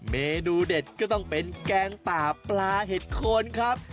เมนูเด็ดก็ต้องเป็นแกงป่าปลาเห็ดโคนครับ